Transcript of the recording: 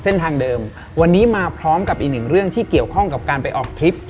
เส้นทางเดิมวันนี้มาพร้อมกับอีกหนึ่งเรื่องที่เกี่ยวข้องกับการไปออกทริป